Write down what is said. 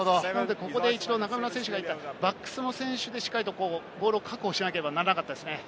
ここで中村選手がバックスの選手でボールを確保しなければならなかったですね。